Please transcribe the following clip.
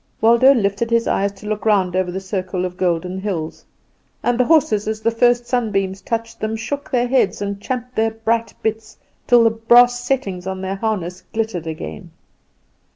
Waldo lifted his eyes to look round over the circle of golden hills; and the horses, as the first sunbeams touched them, shook their heads and champed their bright bits, till the brass settings in their harness glittered again.